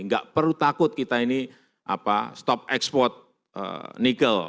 enggak perlu takut kita ini stop export nikel